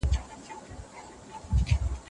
باغچه دي بيرته درکوي، طلاق ورکړه.